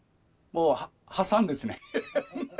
もう破産ですね。